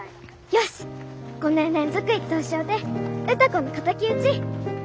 よし５年連続１等賞で歌子の敵討ち！